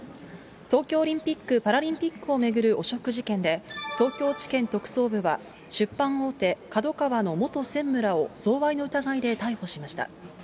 東京オリンピック・パラリンピックを巡る汚職事件で、東京地検特捜部は出版大手、ＫＡＤＯＫＡＷＡの元専務らを、贈賄の疑いで逮捕しました。